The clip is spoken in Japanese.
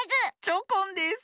チョコンです。